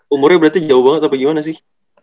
umurnya berarti jauh banget atau gimana sih